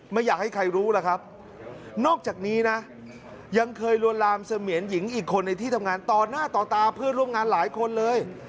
ไม่อยากให้ใครรู้ล่ะครับนอกจากนี้นะยังเคยลวนลามเสมียนหญิงอีกคนในที่ทำงานต่อหน้าต่อตาเพื่อนร่วมงานหลายคนเลย